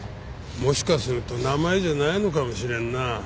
もしかすると名前じゃないのかもしれんな。